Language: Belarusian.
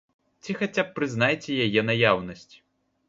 Ці хаця б прызнайце яе наяўнасць.